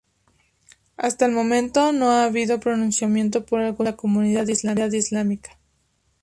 Hasta el momento, no ha habido pronunciamiento por algún miembro de la comunidad islámica.